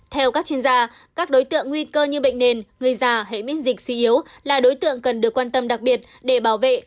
theo các chuyên gia các đối tượng nguy cơ như bệnh nền người già hệ miễn dịch suy yếu là đối tượng cần được quan tâm đặc biệt để bảo vệ